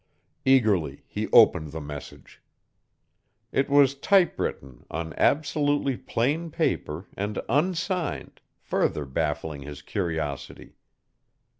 Eagerly he opened the message. It was typewritten on absolutely plain paper and unsigned, further baffling his curiosity.